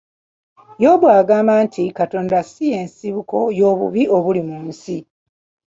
Yobu agamba nti Katonda si y'ensibuko y'obubi obuli mu nsi.